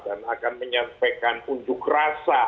dan akan menyampaikan unjuk rasa